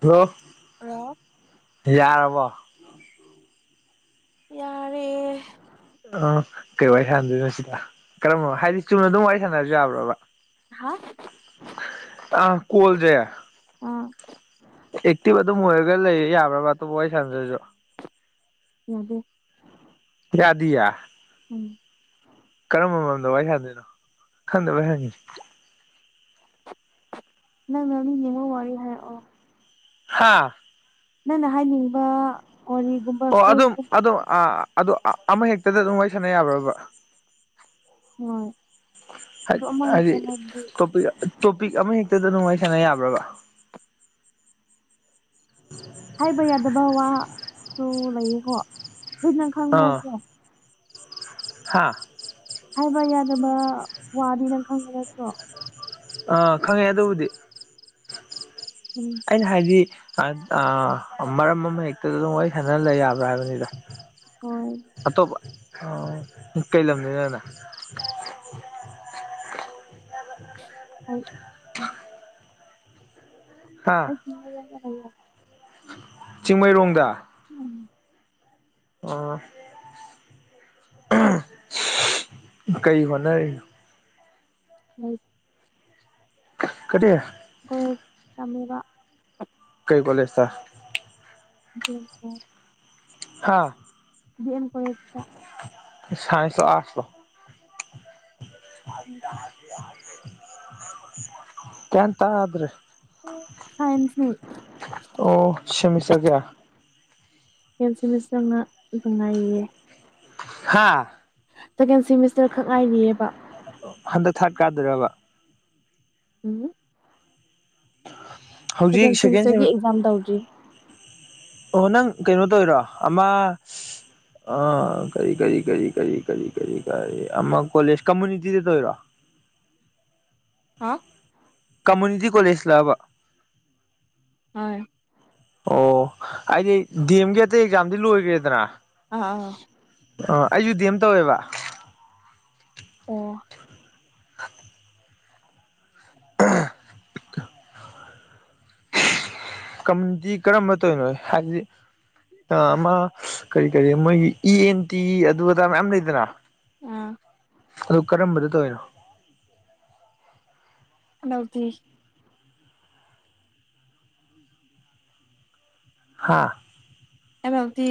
hello hello ꯌꯥꯔꯕꯣ ꯌꯥꯔꯦ ꯑ ꯀꯩ ꯋꯥꯔꯤ ꯁꯥꯟꯅꯗꯣꯏꯅꯣ ꯁꯤꯗ ꯀꯔꯝꯕꯅꯣ ꯍꯥꯏꯗꯤ ꯆꯨꯝꯅ ꯑꯗꯨꯝ ꯋꯥꯔꯤ ꯁꯥꯟꯅꯔꯁꯨ ꯌꯥꯕ꯭ꯔꯣꯕ ꯍꯥ ꯑꯥ ꯀꯣꯜꯖꯦ ꯑꯥ ꯑꯦꯛꯇꯤꯚ ꯑꯗꯨꯝ ꯑꯣꯏꯔꯒ ꯂꯩ ꯌꯥꯕ꯭ꯔꯕ ꯑꯇꯣꯞꯄ ꯋꯥꯔꯤ ꯁꯟꯅꯗ꯭ꯔꯥꯁꯨ ꯌꯥꯗꯦ ꯌꯥꯗꯤꯌꯦ ꯎꯝ ꯀꯔꯝꯕ ꯃꯔꯝꯗ ꯋꯥꯔꯤ ꯁꯥꯟꯅꯗꯣꯏꯅꯣ ꯈꯪꯗꯕꯩ ꯍꯪꯉꯤꯅꯤ ꯅꯪ ꯃꯦꯝꯃꯤ ꯅꯤꯡꯕ ꯋꯥꯔꯤ ꯍꯥꯏꯔꯛꯑꯣ ꯍꯥꯥ ꯅꯪꯅ ꯍꯥꯏꯅꯤꯡꯕ ꯀꯔꯤꯒꯨꯝꯕ ꯑꯣ ꯑꯗꯨꯝ ꯑꯗꯨꯝ ꯑꯥ ꯑꯗꯨ ꯑ ꯑꯃ ꯍꯦꯛꯇꯗ ꯑꯗꯨꯝ ꯋꯥꯔꯤ ꯁꯥꯟꯅ ꯌꯥꯕ꯭ꯔꯕ ꯍꯣꯏ ꯑꯗꯨ ꯑꯃ ꯍꯦꯛꯇ ꯍꯥꯏꯗꯤ ꯍꯥꯏꯕꯗꯤ ꯇꯣꯄꯤꯛ ꯇꯣꯄꯤꯛ ꯑꯃ ꯍꯦꯛꯇꯗ ꯑꯗꯨꯝ ꯋꯥꯔꯤ ꯁꯥꯟꯅ ꯌꯥꯕ꯭ꯔꯕ [unintelligible] ꯍꯥꯏꯕ ꯌꯥꯗꯕ ꯋꯥꯁꯨ ꯂꯩꯌꯦꯀꯣ ꯑꯗꯨ ꯅꯪ ꯈꯪꯕꯔꯥ ꯍꯥꯥ ꯍꯥꯏꯕ ꯌꯥꯗꯕ ꯋꯥꯗꯤ ꯅꯪ ꯈꯪꯕ ꯅꯠꯇ꯭ꯔꯣ ꯑ ꯈꯪꯉꯦ ꯑꯗꯨꯕꯨꯗꯤ ꯎꯝ ꯑꯩꯅ ꯍꯥꯏꯗꯤ ꯃꯔꯝ ꯑꯃ ꯍꯦꯛꯇꯗ ꯑꯗꯨꯝ ꯋꯥꯔꯤ ꯁꯥꯟꯅꯍꯂ ꯌꯥꯕ꯭ꯔꯥ ꯍꯥꯏꯕꯅꯤꯗꯥ ꯍꯣꯏ ꯑꯇꯣꯞꯄ ꯀꯩ ꯂꯝꯗꯩꯅꯣ ꯅꯪ ꯍꯩꯠ ꯍꯥꯥ [unintelligible] ꯆꯤꯡꯃꯩꯔꯣꯡꯗ ꯎꯝ ꯑꯥ ꯀꯩ ꯍꯣꯠꯅꯔꯤꯅꯣ ꯍꯩꯠ ꯀꯔꯤ ꯀꯣꯂꯦꯖ ꯇꯝꯃꯤꯕ ꯀꯩ ꯀꯣꯂꯦꯖꯇ [unintelligible] ꯍꯥꯥ ꯗꯤ ꯑꯦꯝ ꯀꯣꯂꯦꯖꯇ ꯁꯥꯏꯟꯁ ꯔꯣ ꯑꯥꯔꯖ ꯔꯣ ꯒ꯭ꯌꯥꯟ ꯇꯥꯗ꯭ꯔꯦ ꯐꯥꯏꯟꯁꯅꯤ ꯑꯣ ꯁꯦꯃꯤꯁꯇ꯭ꯔ ꯀꯌꯥ ꯍꯦꯟ ꯁꯦꯃꯤꯁꯇ꯭ꯔꯉꯥꯛ ꯒꯡꯉꯥꯏꯔꯤꯌꯦ ꯍꯥꯥ ꯇꯦꯀꯦꯟ ꯁꯦꯃꯤꯁꯇ꯭ꯔ ꯈꯛ ꯉꯥꯏꯔꯤꯑꯕ ꯍꯟꯗꯛ ꯊꯥꯔ꯭ꯠ ꯀꯥꯗꯣꯏꯔꯕ ꯎꯝ ꯍꯧꯖꯤꯛ ꯁꯦꯀꯦꯟ ꯁꯦꯝ ꯌꯥꯝ ꯇꯧꯗ꯭ꯔꯤ ꯑꯣ ꯅꯪ ꯀꯩꯅꯣ ꯇꯧꯔꯤꯔꯣ ꯑꯃ ꯑꯥ ꯀꯔꯤ ꯀꯔꯤ ꯀꯔꯤ ꯀꯔꯤ ꯀꯔꯤ ꯀꯔꯤ ꯀꯔꯤ ꯑꯃ ꯀꯣꯂꯦꯖ ꯀꯝꯃꯨꯅꯤꯇꯤꯗ ꯇꯧꯔꯤꯔꯣ ꯍꯥ ꯀꯝꯃꯨꯅꯤꯇꯤ ꯀꯣꯂꯦꯖꯂꯥꯕ ꯍꯣꯏ ꯑꯣ ꯍꯥꯏꯗꯤ ꯗꯤꯑꯦꯝꯒꯤ ꯑꯇꯩ ꯑꯦꯛꯖꯥꯝꯗꯤ ꯂꯣꯏꯒ꯭ꯔꯦꯗꯅ ꯑꯥꯎ ꯑꯥ ꯑꯩꯖꯨ ꯗꯤꯑꯦꯝ ꯇꯧꯋꯦꯕ ꯑꯣ ꯀꯝꯃꯨꯅꯤꯇꯤ ꯀꯔꯝꯕ ꯇꯧꯔꯤꯅꯣ ꯍꯥꯏꯕꯗꯤ ꯑꯥ ꯑꯃ ꯀꯔꯤ ꯀꯔꯤ ꯃꯣꯏꯒꯤ ꯏ ꯑꯦꯟ ꯇꯤ ꯑꯗꯨ ꯑꯗꯥ ꯃꯌꯥꯝ ꯂꯩꯗꯅ ꯑꯥ ꯑꯗꯨ ꯀꯔꯝꯕꯗ ꯇꯧꯋꯤꯅꯣ ꯃꯜꯇꯤ ꯍꯥꯥ M L T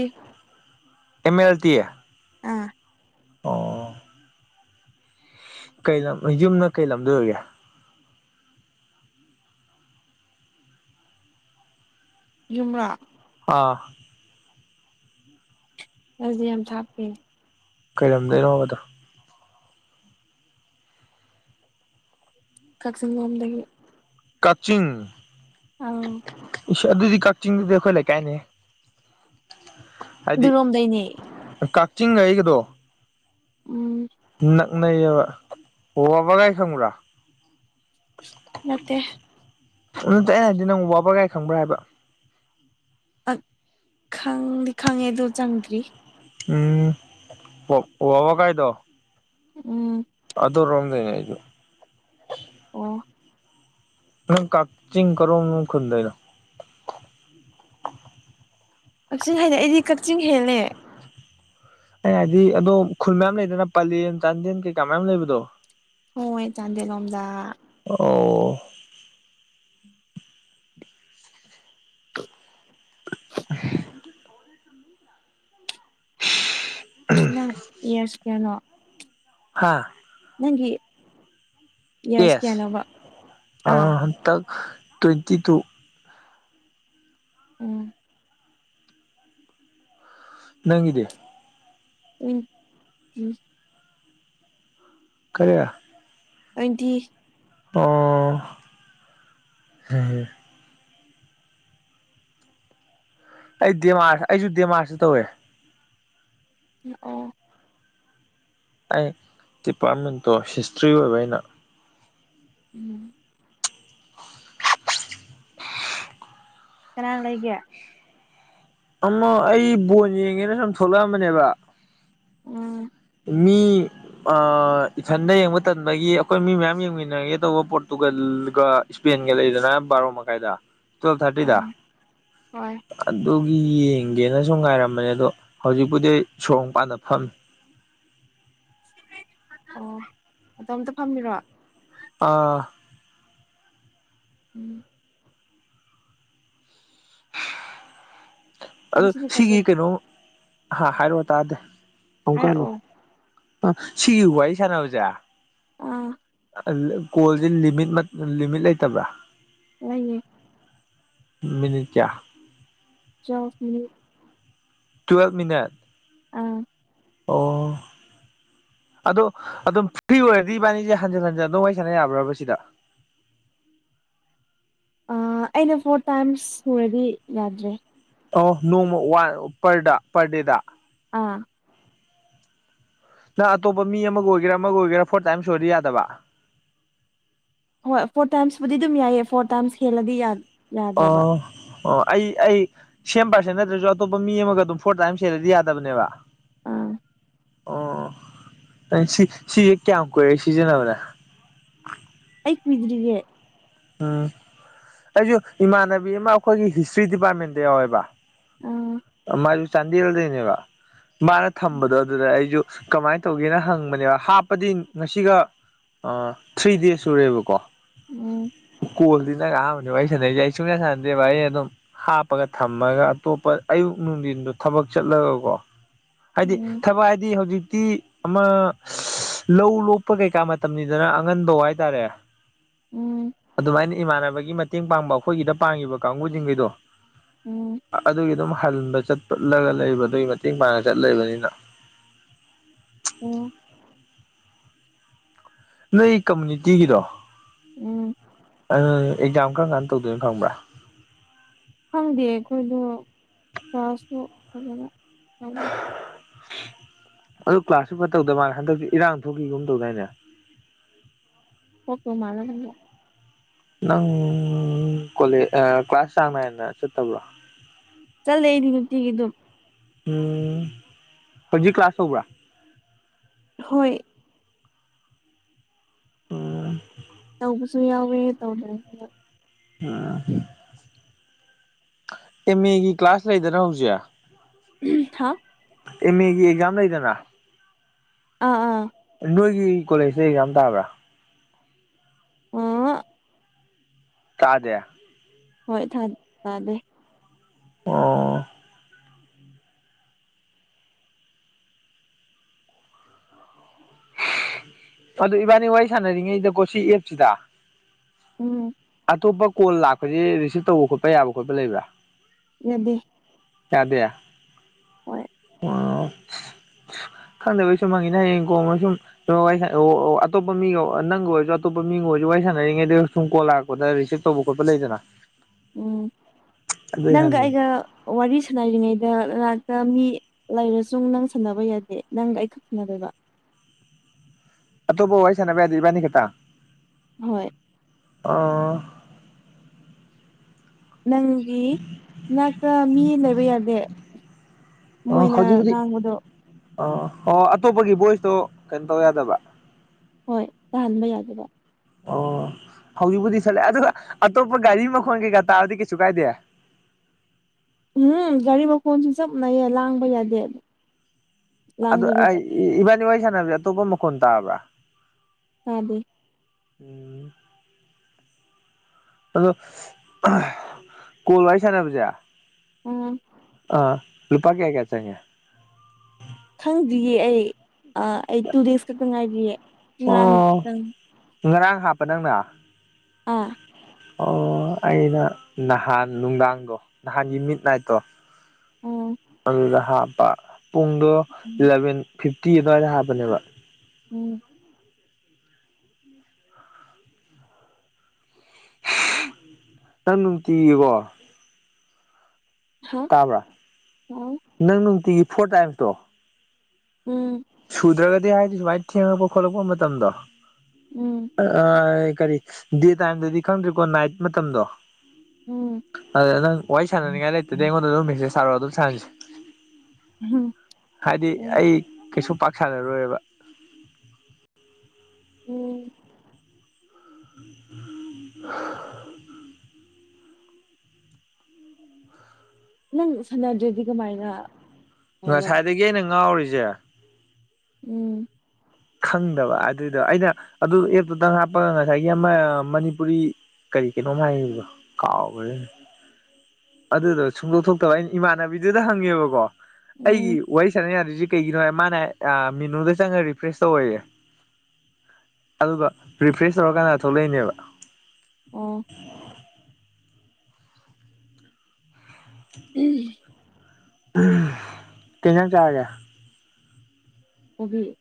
M L T ꯑꯥ ꯑꯣ ꯀꯩ ꯂꯝ ꯌꯨꯝꯅ ꯀꯩꯂꯝꯗ ꯑꯣꯏꯔꯤꯒꯦ ꯌꯨꯝꯔꯥ ꯑꯥ ꯑꯩꯗꯤ ꯌꯥꯝ ꯊꯥꯞꯄꯦ ꯀꯩ ꯂꯝꯗꯩꯅꯣꯕ ꯑꯗꯣ ꯀꯛꯆꯤꯡ ꯂꯣꯝꯗꯒꯤ ꯀꯛꯆꯤꯡ ꯑꯥꯎ ꯏꯁ ꯑꯗꯨꯗꯤ ꯀꯛꯆꯤꯡꯗꯨꯗꯤ ꯑꯩꯈꯣꯏ ꯂꯩꯀꯥꯏꯅꯤ ꯍꯥꯏꯗꯤ ꯑꯗꯨꯔꯣꯝꯗꯩꯅꯦ ꯀꯛꯆꯤꯡꯒꯩꯒꯗꯣ ꯎꯝ ꯅꯪ ꯅꯕ ꯑꯣ ꯑꯕ ꯀꯥꯏ ꯈꯪꯔ ꯅꯠꯇꯦ ꯑꯗꯨꯇ ꯑꯩꯅ ꯍꯥꯏꯗꯤ ꯅꯪ ꯋꯥꯕ꯭ꯔꯒꯥꯏ ꯈꯪꯕ꯭ꯔꯥ ꯍꯥꯏꯕ ꯑ ꯈꯪꯗꯤ ꯈꯪꯉꯦ ꯑꯗꯨꯣ ꯆꯪꯗ꯭ꯔꯤ ꯎꯝ ꯋꯥꯕꯣ ꯀꯥꯏꯗꯣ ꯎꯝ ꯑꯗꯨ ꯔꯣꯝꯗꯦꯅꯦꯁꯨ ꯑꯣ ꯅꯪ ꯀꯥꯛꯛꯆꯤꯡ ꯀꯣ ꯃ ꯈꯣꯟꯟꯗꯅ ꯀꯛꯆꯤꯡ ꯍꯥꯏꯗꯤ ꯑꯩꯗꯤ ꯀꯛꯆꯤꯡ ꯍꯦꯜꯂꯦ ꯑꯩ ꯍꯥꯏꯗꯤ ꯑꯗꯣ ꯈꯨꯜ ꯃꯌꯥꯝ ꯂꯩꯗꯅ ꯄꯂꯦꯝꯦꯟ ꯆꯥꯟꯗꯦꯜ ꯀꯩꯀꯥ ꯃꯌꯥꯝ ꯂꯩꯕꯗꯣ ꯍꯣꯏ ꯆꯥꯟꯗꯦ ꯂꯣꯝꯗ ꯑꯣ ꯅ ꯏꯌꯥꯁ ꯀꯩꯅꯣ ꯍꯥꯥ ꯅꯪꯒꯤ ꯏꯌꯥꯔꯁ ꯌꯦꯁ ꯀꯌꯥꯅꯣꯕ ꯑꯥ ꯍꯟꯇꯛ ꯇ꯭ꯋꯦꯟꯇꯤ ꯇꯨ ꯎꯝ ꯅꯪꯗꯤ ꯇ ꯎꯝ ꯀꯔꯤ ꯇ꯭ꯋꯦꯟꯇꯤ ꯑꯣ ꯍ ꯑꯩ ꯗꯦꯃꯥꯔ ꯑꯩꯁꯨ ꯗꯦꯃꯥꯁꯤ ꯇꯧꯋꯦ ꯑꯣ ꯑꯩ ꯗꯤꯄꯥꯔꯠꯃꯦꯟꯇꯣ ꯍꯤꯁꯇ꯭ꯔꯤ ꯑꯣꯏꯕ ꯑꯩꯅ ꯎꯝ ꯀꯅꯥ ꯂꯩꯒꯦ ꯑꯃ ꯑꯩ ꯕꯣꯟ ꯌꯦꯡꯉꯦꯅ ꯁꯨꯝ ꯊꯣꯛꯂꯛꯑꯝꯕꯅꯦꯕ ꯎꯝ ꯃꯤ ꯏꯊꯟꯗ ꯌꯦꯡꯕ ꯃꯇꯝꯟꯗꯒꯤ ꯑꯩꯈꯣꯏ ꯃꯤ ꯃꯌꯥꯝ ꯌꯦꯡꯃꯤꯟꯅꯒꯦ ꯇꯧꯕ ꯄꯣꯔꯇꯨꯒꯜꯒ ꯏꯁꯄꯦꯟꯒ ꯂꯩꯗꯅ ꯕꯥꯔꯣ ꯃꯈꯥꯏꯗ ꯇꯨꯋꯦꯜꯞ ꯊꯥꯔꯇꯤꯗ ꯍꯣꯏꯅꯦ ꯍꯣꯏ ꯑꯗꯨꯒ ꯌꯦꯡꯒꯦꯅ ꯁꯨꯝ ꯉꯥꯏꯔꯝꯕꯅꯦ ꯑꯗꯣ ꯍꯧꯖꯤꯛꯄꯨꯗꯤ ꯑꯩ ꯁꯣꯔ ꯄꯥꯟꯅ ꯐꯝꯃꯤ ꯑꯣ ꯑꯗꯣ ꯑꯝꯇ ꯐꯝꯕꯤꯔꯣ ꯑꯥ ꯎꯝ ꯑꯗꯨ ꯉꯁꯤꯗꯤ ꯀꯥꯏ ꯁꯤꯒꯤ ꯆꯠ ꯀꯩꯅꯣ ꯍꯥ ꯍꯥꯏꯔꯛꯑꯣ ꯇꯥꯗꯦ ꯑꯃꯨꯛꯀ ꯍꯜꯂꯣ ꯍꯥꯏꯔꯛꯑꯣ ꯑ ꯁꯤꯒꯤ ꯋꯥ ꯑꯩ ꯁꯥꯟꯅꯕꯖꯥ ꯑꯥ ꯀꯣꯜꯁꯦ ꯂꯤꯃꯤꯠ ꯂꯤꯃꯤꯠ ꯂꯩꯇꯕ꯭ꯔꯥ ꯂꯩꯌꯦ ꯃꯤꯅꯤꯠ ꯀꯌꯥ ꯆ ꯇꯨꯋꯚ ꯃꯤꯠ ꯑꯥ ꯑꯣ ꯑꯗꯣ ꯑꯗꯨꯝ ꯐ꯭ꯔꯤ ꯑꯣꯏꯔꯗꯤ ꯏꯕꯥꯅꯤꯁꯦ ꯍꯟꯖꯤꯟ ꯍꯟꯖꯤꯟ ꯑꯗꯨꯝ ꯋꯥꯔꯤ ꯁꯥꯟꯅ ꯌꯥꯕ꯭ꯔꯕ ꯁꯤꯗ ꯑꯩꯅ ꯐꯣꯔ ꯇꯥꯏꯝꯁ ꯁꯨꯔꯗꯤ ꯌꯥꯗ꯭ꯔꯦ ꯑ ꯅꯣꯡꯃ ꯋꯥꯟ ꯄꯔꯗ ꯄꯔ ꯗꯦꯗ ꯑꯥ ꯅꯪ ꯑꯇꯣꯞꯄ ꯃꯤ ꯑꯃꯒ ꯑꯣꯏꯒꯦꯔꯥ ꯑꯃꯒ ꯑꯣꯏꯒꯦꯔꯥ ꯐꯣꯔ ꯇꯥꯏꯝ ꯁ ꯑꯣꯏꯗꯤ ꯌꯥꯗꯕ ꯍꯣꯏ ꯐꯣꯔ ꯇꯥꯏꯝꯁꯄꯨꯗꯤ ꯑꯗꯨꯝ ꯌꯥꯏꯌꯦ ꯐꯣꯔ ꯇꯥꯏꯝꯁ ꯍꯦꯜꯂꯗꯤ ꯌꯥꯅꯤ ꯑꯥ ꯑꯣ ꯑꯩ ꯑꯩ ꯁꯦꯝ ꯄꯥꯔꯁꯦ ꯅꯠꯇ꯭ꯔꯁꯨ ꯑꯇꯣꯞꯄ ꯃꯤ ꯑꯃꯒ ꯑꯗꯨꯝ ꯐꯣꯔ ꯇꯥꯏꯝ ꯁꯦꯂꯔꯤ ꯌꯥꯗꯕꯅꯦꯕ ꯎꯥ ꯑꯣ ꯅ ꯁꯤ ꯁꯤꯁꯦ ꯀꯌꯥꯝ ꯀꯨꯏꯔꯦ ꯁꯤꯖꯤꯟꯅꯕꯗ ꯑꯩ ꯀꯨꯏꯗ꯭ꯔꯤꯒꯦ ꯎꯝ ꯑꯩꯁꯨ ꯏꯃꯥꯟꯅꯕꯤ ꯑꯃ ꯑꯩꯈꯣꯏꯒꯤ ꯍꯤꯁꯇ꯭ꯔꯤ ꯗꯤꯄꯥꯔꯠꯃꯦꯟꯇ ꯌꯥꯎꯋꯦꯕ ꯎꯥ ꯃꯥ ꯑꯗꯨ ꯆꯗꯦꯜꯗꯅꯦꯕ ꯃꯥꯅ ꯊꯝꯕꯗꯣ ꯑꯗꯨꯗ ꯑꯩꯁꯨ ꯀꯃꯥꯏꯅ ꯇꯧꯒꯦꯅ ꯍꯪꯕꯅꯦꯕ ꯍꯥꯞꯄꯗꯤ ꯉꯁꯤꯒ ꯑ ꯊ꯭ꯔꯤ ꯗꯦꯖ ꯁꯨꯔꯦꯕꯀꯣ ꯑꯣ ꯀꯣꯜꯗꯤꯅ ꯀꯥꯑꯕꯅꯦ ꯏ ꯁꯥꯟꯅꯩꯁꯦ ꯑꯩ ꯁꯨꯡꯌꯥ ꯁꯥꯟꯅꯗꯦ ꯚꯥꯏ ꯑꯗꯨꯝ ꯍꯥꯞꯄꯒ ꯊꯝꯃꯒ ꯑꯇꯣꯞꯄ ꯑꯌꯨꯛ ꯅꯨꯡꯗꯤꯟꯗꯣ ꯊꯕꯛ ꯆꯠꯂꯒꯀꯣ ꯍꯥꯏꯗꯤ ꯎꯝ ꯊꯕꯛ ꯍꯥꯏꯗꯤ ꯍꯧꯖꯤꯛꯇꯤ ꯑꯃ ꯂꯧ ꯂꯣꯛꯄ ꯀꯩꯀꯥ ꯃꯇꯝꯅꯤꯗꯅ ꯑꯉꯟꯕꯧ ꯍꯥꯏꯇꯥꯔꯦ ꯎꯝ ꯑꯗꯨꯃꯥꯏꯅ ꯏꯃꯥꯟꯅꯕꯒꯤ ꯃꯇꯦꯡ ꯄꯥꯡꯕ ꯑꯩꯈꯣꯏꯒꯤꯗ ꯄꯥꯡꯉꯤꯕ ꯀꯥꯡꯕꯨꯖꯤꯡꯒꯩꯗꯣ ꯎꯝ ꯑꯗꯨꯒꯤ ꯑꯗꯨꯝ ꯍꯟꯕ ꯆꯠꯠꯂꯒ ꯂꯩꯕ ꯑꯗꯨꯒꯤ ꯃꯇꯦꯡ ꯄꯥꯡꯉ ꯆꯠ ꯂꯩꯕꯅꯤꯅ ꯑꯣ ꯅꯣꯏ ꯀꯃꯨꯅꯤꯇꯤꯒꯤꯗꯣ ꯎꯝ ꯑꯗꯨꯅꯪ ꯑꯦꯛꯖꯥꯝ ꯀꯔꯝ ꯀꯥꯟ ꯇꯧꯗꯣꯏꯅꯣ ꯈꯪꯕ꯭ꯔꯥ ꯈꯪꯗꯦ ꯑꯩꯈꯣꯏꯗꯣ ꯆꯥꯔꯖꯁꯨ ꯐꯖꯅ ꯌꯥ ꯑꯗꯨ ꯀ꯭ꯂꯥꯁꯁꯨ ꯐꯠꯇꯗ ꯃꯥꯜꯦ ꯍꯟꯗꯛꯇꯤ ꯏꯔꯥꯡ ꯊꯣꯛꯈꯤꯒꯨꯝ ꯇꯧꯗꯥꯏꯅꯦ ꯍꯣꯠꯇꯣ ꯃꯥꯂꯒ ꯅꯪ ꯀꯣꯂꯦ ꯀ꯭ꯂꯥꯁ ꯆꯥꯡ ꯅꯥꯏꯅ ꯆꯠꯇꯕ꯭ꯔꯣ ꯆꯜꯂꯦ ꯑꯩꯗꯤ ꯅꯨꯡꯇꯤꯒꯤ ꯑꯗꯨꯝ ꯎꯝ ꯍꯧꯖꯤ ꯀ꯭ꯂꯥꯁ ꯍꯧꯕ ꯍꯣꯏ ꯎꯝ ꯇꯧꯕꯁꯨ ꯌꯥꯎꯋꯤ ꯇꯧꯗꯕꯁꯨ ꯌꯥꯎ ꯑ ꯑꯦꯝꯃꯦꯒꯤ ꯀ꯭ꯂꯥꯁ ꯂꯩꯗꯅ ꯍꯧꯖꯤꯛ ꯊ ꯑꯦꯝ ꯑꯦꯒꯤ ꯑꯦꯛꯖꯝ ꯂꯗꯦꯅ ꯑꯥ ꯑꯥ ꯅꯣꯏꯒꯤ ꯀꯣꯂꯦꯖꯁꯦ ꯑꯦꯛꯖꯥꯝ ꯇꯥꯕ꯭ꯔꯥ [unintelligible] ꯀꯥꯗꯦ ꯍꯣꯏ ꯁꯥꯎꯟ ꯇꯥꯗꯦ ꯑꯣ ꯑꯗꯨ ꯏꯕꯥꯅꯤ ꯋꯥꯔꯤ ꯁꯥꯟꯅꯔꯤꯉꯩꯗ ꯀꯣꯁꯤ ꯑꯦꯞꯁꯤꯗ ꯎꯝ ꯑꯇꯣꯞꯄ ꯀꯣꯜ ꯂꯥꯛꯄꯁꯤ ꯔꯤꯁꯤꯞ ꯇꯧꯕ ꯈꯣꯠꯄ ꯌꯥꯕ ꯈꯣꯠꯄ ꯂꯩꯕ꯭ꯔꯥ ꯌꯥꯗꯦ ꯌꯥꯗꯦ ꯍꯣꯏ ꯑꯣ ꯈꯪꯗꯕꯩ ꯁꯨꯝ ꯃꯥꯡꯉꯤꯅ ꯍꯌꯦꯡꯒꯣꯡꯅ ꯁꯨꯝ [unintelligible] ꯑꯇꯣꯞꯄ ꯃꯤꯒ ꯅꯪꯒ ꯑꯣꯏꯔꯁꯨ ꯑꯇꯣꯞꯄ ꯃꯤꯒ ꯑꯣꯏꯔꯁꯨ ꯋꯥꯔꯤ ꯁꯥꯟꯅꯔꯤꯉꯩꯗ ꯁꯨꯝ ꯀꯣꯜꯂꯥꯛꯄ ꯐꯣꯟꯗ ꯔꯤꯁꯤꯞ ꯇꯧꯕ ꯈꯣꯠꯄ ꯂꯩꯗꯅ ꯎꯝ ꯑꯗꯨꯏ ꯅꯪꯒ ꯍꯪꯉꯤ ꯑꯩꯒ ꯋꯥꯔꯤ ꯁꯅꯔꯤꯉꯩꯗ ꯂꯥꯛꯇ ꯃꯤ ꯂꯩꯔꯁꯨ ꯅꯪ ꯁꯥꯟꯅꯕ ꯌꯥꯗꯦ ꯅꯪꯒ ꯑꯩ ꯈꯛ ꯁꯥꯟꯅꯗꯣꯏꯕ ꯑꯇꯣꯞꯄ ꯋꯥꯔꯤ ꯁꯥꯟꯅꯕ ꯌꯥꯗꯦ ꯏꯕꯥꯅꯤ ꯈꯛꯇꯥ ꯍꯣꯏ ꯑꯣ ꯅꯪ ꯒꯤ ꯅꯥꯛꯇ ꯃꯤ ꯂꯩꯕ ꯌꯥꯗꯦ ꯑꯣ ꯃꯣꯏꯅ ꯍꯧꯖꯤꯛꯄꯨꯗꯤ ꯉꯥꯡꯕꯗꯣ ꯑꯣ ꯑꯣ ꯑꯇꯣꯞꯄꯒꯤ ꯚꯣꯏꯁꯇꯣ ꯀꯩꯅꯣ ꯇꯧ ꯌꯥꯗꯕ ꯍꯣꯏ ꯇꯥꯍꯟꯕ ꯌꯥꯗꯕ ꯑꯣ ꯍꯧꯖꯤꯛꯄꯨꯗꯤ ꯁꯠꯂꯦ ꯑꯗꯨꯒ ꯑꯇꯣꯞꯄ ꯒꯥꯔꯤ ꯃꯈꯣꯟ ꯀꯩꯀꯥ ꯇꯥꯔꯗꯤ ꯀꯩꯁꯨ ꯀꯥꯏꯗꯦ ꯎꯝ ꯒꯥꯔꯤ ꯃꯈꯣꯟꯁꯨ ꯆꯞꯅꯩꯌꯦ ꯂꯥꯡꯕ ꯌꯥꯗꯦ ꯑꯗꯨ ꯑꯩ ꯂꯥꯡꯗꯕꯤꯗ ꯏ ꯏꯕꯥꯅꯤ ꯋꯥꯔꯤ ꯁꯥꯟꯅꯕꯖꯦ ꯑꯇꯣꯞꯄ ꯃꯈꯣꯟ ꯇꯥꯕ꯭ꯔꯥ ꯇꯥꯗꯦ ꯎꯝ ꯑꯗꯣ [unintelligible] ꯀꯣꯜ ꯋꯥꯔꯤ ꯁꯥꯟꯅꯕꯁꯦ ꯎꯝ ꯑꯥ ꯂꯨꯄꯥ ꯀꯌꯥ ꯀꯌꯥ ꯆꯪꯉꯤ ꯈꯪꯗ꯭ꯔꯤꯌꯦ ꯑꯩ ꯑꯥ ꯑꯩ ꯇꯨ ꯗꯦꯖ ꯈꯛꯇ ꯉꯥꯏꯔꯤꯌꯦ ꯑꯣ ꯉꯔꯥꯡꯇꯪ ꯉꯔꯥꯡ ꯍꯥꯞꯄ ꯅꯪꯅ ꯑꯥ ꯑꯣ ꯑꯩꯅ ꯅꯍꯥꯟ ꯅꯨꯡꯗꯥꯡꯗꯣ ꯅꯍꯥꯟꯒꯤ ꯃꯤꯠ ꯅꯥꯏꯠꯇꯣ ꯎꯝ ꯑꯗꯨꯗ ꯍꯥꯞꯄ ꯄꯨꯡꯗꯣ ꯎꯝ ꯏꯂꯚꯦꯟ ꯐꯤꯞꯇꯤ ꯑꯗꯨꯋꯥꯏꯗ ꯍꯥꯞꯄꯅꯦꯕ ꯎꯝ [unintelligible] ꯅꯪ ꯅꯨꯡꯇꯤꯒꯤꯀꯣ ꯍꯥ ꯇꯥꯕ꯭ꯔꯥ ꯍꯥꯎ ꯅꯪ ꯅꯨꯡꯇꯤꯒꯤ ꯐꯣꯔ ꯇꯥꯏꯝꯁꯇꯣ ꯎꯝ ꯁꯨꯗ꯭ꯔꯒꯗꯤ ꯍꯥꯏꯗꯤ ꯁꯨꯃꯥꯏꯅ ꯊꯦꯡꯉꯛꯄ ꯈꯣꯠꯂꯛꯄ ꯃꯇꯝꯗꯣ ꯎꯝ ꯑꯥ ꯀꯔꯤ ꯗꯦ ꯇꯥꯏꯝꯗꯗꯤ ꯈꯪꯗ꯭ꯔꯤꯀꯣ ꯅꯥꯏꯠ ꯃꯇꯝꯗꯣ ꯎꯝ ꯑꯗ ꯅꯪ ꯋꯥꯔꯤ ꯁꯥꯟꯅꯅꯤꯡꯉꯥꯏ ꯂꯩꯇ꯭ꯔꯗꯤ ꯑꯩꯉꯣꯟꯗ ꯑꯗꯨꯝ ꯃꯦꯁꯦꯁ ꯊꯥꯔꯛꯑꯣ ꯑꯗꯨꯝ ꯁꯥꯟꯅꯁꯦ ꯎꯝ ꯍꯥꯏꯗꯤ ꯑꯩ ꯀꯩꯁꯨ ꯄꯥꯛ ꯁꯅꯔꯣꯏꯕ ꯎꯝ [unintelligible] ꯅꯪ ꯁꯥꯟꯅꯗ꯭ꯔꯗꯤ ꯀꯃꯥꯏꯅ ꯇꯧꯕ ꯉꯁꯥꯏꯗꯒꯤ ꯑꯩꯅ ꯉꯥꯎꯔꯤꯖꯦ ꯎꯝ ꯈꯪꯗꯕ ꯑꯗꯨꯏꯗꯣ ꯑꯩꯅ ꯑꯗꯨ ꯑꯦꯞꯇꯨꯗꯪ ꯍꯥꯞꯄꯒ ꯉꯁꯥꯏꯒꯤ ꯑꯃ ꯃꯅꯤꯄꯨꯔꯤ ꯀꯔꯤ ꯀꯩꯅꯣꯝ ꯍꯥꯏꯒ꯭ꯔꯤꯗꯣ ꯀꯥꯎꯒ꯭ꯔꯦꯅꯦ ꯑꯗꯨꯗꯣ ꯁꯨꯡꯗꯣꯛ ꯊꯣꯛꯇꯕ ꯑꯩꯅ ꯏꯃꯥꯟꯅꯕꯤꯗꯨꯗ ꯍꯪꯉꯦꯕꯀꯣ ꯑꯩꯒꯤ ꯎꯝ ꯋꯥꯔꯤ ꯁꯥꯟꯅ ꯌꯥꯗ꯭ꯔꯤꯖꯦ ꯀꯩꯒꯤꯅꯣ ꯍꯥꯏ ꯃꯥꯅ ꯑꯥ ꯃꯤꯅꯨꯗ ꯆꯪꯉꯥ ꯔꯤꯐ꯭ꯔꯦꯁ ꯇꯧꯑꯣꯌꯦ ꯑꯗꯨꯒ ꯔꯤꯐ꯭ꯔꯦꯁ ꯇꯧꯔ ꯀꯥꯟꯗ ꯊꯣꯛꯂꯛꯏꯅꯦꯕ ꯑꯣ [unintelligible] ꯇꯤꯟꯖꯪ ꯆꯥꯔꯒꯦ ꯀꯣꯕꯤ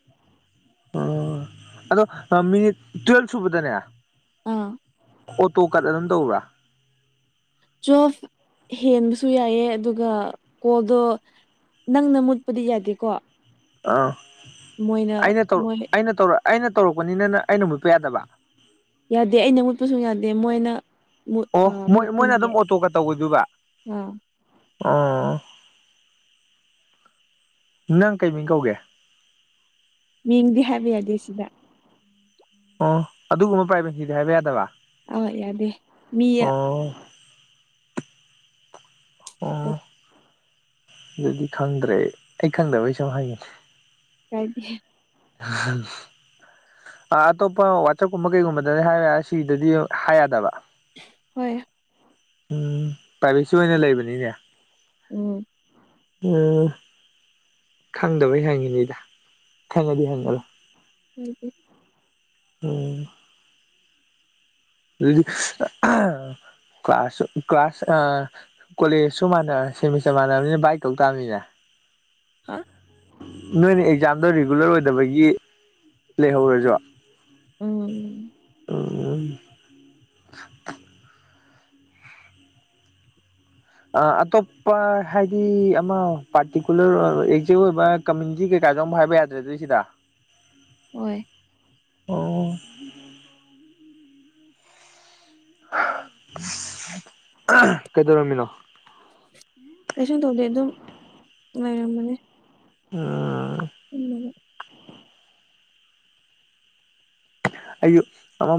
ꯑꯣ ꯑꯗꯣ ꯃꯤꯅꯤꯠ ꯇꯨꯋꯦꯜꯕ ꯁꯨꯕꯗꯅꯦ ꯑꯥ ꯑꯣꯇꯣ ꯀꯠ ꯑꯗꯨꯝ ꯇꯧꯕ꯭ꯔꯥ ꯖꯁ ꯍꯦꯟꯕꯁꯨ ꯌꯥꯏꯌꯦ ꯑꯗꯨꯒ ꯀꯣꯜꯗꯣ ꯅꯪꯅ ꯃꯨꯠꯄꯗꯤ ꯌꯥꯗꯦꯀꯣ ꯑꯥ ꯃꯣꯏꯅ ꯑꯩꯅ ꯇꯧ ꯃꯣꯏ ꯑꯩꯅ ꯇꯧ ꯑꯩꯅ ꯇꯧꯔꯛꯄꯅꯤꯅ ꯅꯪ ꯑꯩꯅ ꯃꯨꯠꯄ ꯌꯥꯗꯕ ꯌꯥꯗꯦ ꯑꯩꯅ ꯃꯨꯠꯄꯁꯨ ꯌꯥꯗꯦ ꯃꯣꯏꯅ ꯃꯨꯠ ꯑꯣ ꯑ ꯃꯣꯏ ꯃꯣꯏꯅ ꯃꯨꯠꯀꯅꯤꯌꯦ ꯑꯗꯨꯝ ꯑꯣꯇꯣꯒ ꯇꯧꯒꯗꯨꯕ ꯑꯥ ꯑ ꯅꯪ ꯀꯩꯃꯤꯡ ꯀꯧꯒꯦ ꯃꯤꯡꯗꯤ ꯍꯥꯏꯕ ꯌꯥꯗꯦ ꯁꯤꯗ ꯑꯣ ꯑꯗꯨꯒꯨꯝꯕ ꯄ꯭ꯔꯥꯏꯕꯦꯁꯤꯗꯣ ꯍꯥꯏꯕ ꯌꯥꯗꯕ ꯑ ꯌꯥꯗꯦ ꯃꯤ ꯑꯣ ꯑꯣ ꯑꯗꯨꯗꯤ ꯈꯪꯗ꯭ꯔꯦ ꯑꯩ ꯈꯪꯗꯕꯩ ꯁꯨꯝ ꯍꯪꯉꯤꯅꯤ ꯆꯗꯤ ꯎ ꯑ ꯑꯇꯣꯞꯄ ꯋꯥꯆꯞꯀꯨꯝꯕ ꯀꯩꯒꯨꯝꯕꯗꯗꯤ ꯍꯥꯏꯕ ꯁꯤꯗꯗꯤ ꯍꯥꯏ ꯌꯥꯗꯕ ꯍꯣꯏ ꯎꯝ ꯄꯥꯏꯚꯦꯠꯁꯨ ꯑꯣꯏꯅ ꯂꯩꯕꯅꯤꯅꯦ ꯎꯝ ꯎ ꯈꯪꯗꯕꯩ ꯍꯪꯉꯤꯅꯤꯗ ꯈꯪꯉꯗꯤ ꯍꯪꯉꯂꯣ ꯎꯝ ꯑꯣꯝ ꯑꯗꯨ ꯀ꯭ꯂ ꯀ꯭ꯂꯥꯁ ꯀ꯭ꯂꯥꯁ ꯑ ꯀꯣꯂꯦꯖꯁꯨ ꯃꯥꯟ ꯁꯦꯃꯤꯁꯇꯔ ꯃꯥꯟꯅꯕꯅꯤꯅ ꯕꯥꯏꯛ ꯀꯧ ꯇꯥꯕꯅꯤꯅ ꯍꯥ ꯅꯣꯏꯅ ꯑꯦꯛꯖꯥꯝꯗꯣ ꯔꯤꯒꯨꯂꯔ ꯑꯣꯏꯗꯕꯒꯤ ꯂꯩꯍꯧꯔꯁꯨ ꯎꯝ ꯑꯣ ꯑꯇꯣꯞꯄ ꯍꯥꯏꯗꯤ ꯑꯃ ꯄꯥꯔꯇꯤꯀꯨꯂꯔ ꯑꯦꯖꯦꯛ ꯑꯣꯏꯕ ꯀꯃꯟꯁꯤ ꯀꯩꯀꯥꯗꯨ ꯍꯥꯏꯕ ꯌꯥꯗ꯭ꯔꯦ ꯑꯗꯨꯣꯏ ꯁꯤꯗ ꯍꯣꯏ ꯑꯣ ꯀꯩꯗꯧꯔꯝꯃꯤꯅꯣ ꯀꯩꯁꯨꯨꯝ ꯇꯧꯗꯦ ꯑꯗꯨꯝ ꯂꯩꯔꯝꯕꯅꯤ ꯎ ꯎꯝ ꯑꯌꯨ ꯑꯃ